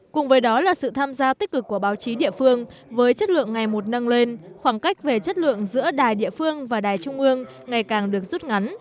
cùng với đó là sự tham gia tích cực của báo chí địa phương với chất lượng ngày một nâng lên khoảng cách về chất lượng giữa đài địa phương và đài trung ương ngày càng được rút ngắn